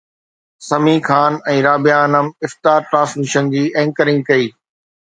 سميع خان ۽ رابعه انعم افطار ٽرانسميشن جي اينڪرنگ ڪئي